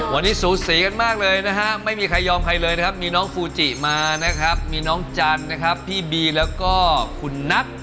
วันนี้สูสีกันมากเลยนะฮะไม่มีใครยอมใครเลยนะครับมีน้องฟูจิมานะครับมีน้องจันทร์นะครับพี่บีแล้วก็คุณนัท